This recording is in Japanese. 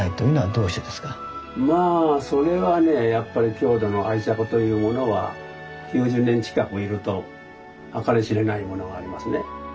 まあそれはねやっぱり郷土の愛着というものは９０年近くいると計り知れないものがありますね。